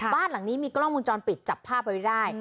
บ้านหลังนี้มีกล้องมุมจรปิดจับภาพไว้ได้